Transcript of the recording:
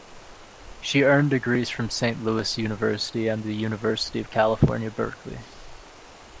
She earned degrees from Saint Louis University and the University of California, Berkeley.